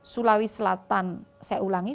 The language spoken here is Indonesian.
sulawesi selatan saya ulangi